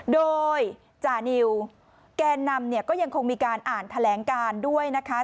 โดยจานิวแกนนำเนี่ยก็ยังคงมีการอ่านแถลงการด้วยนะคะ